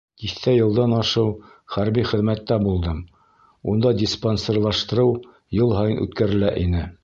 — Тиҫтә йылдан ашыу хәрби хеҙмәттә булдым, унда диспансерлаштырыу йыл һайын үткәрелә ине.